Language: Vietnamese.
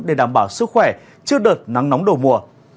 để đảm bảo sức khỏe trước đợt nắng nóng đầu mùa